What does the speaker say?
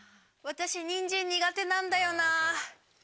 私にんじん苦手なんだよな。